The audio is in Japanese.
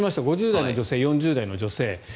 ５０代の女性、４０代の女性。